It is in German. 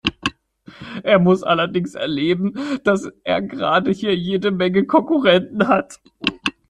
Er muss allerdings erleben, dass er gerade hier jede Menge Konkurrenten hat.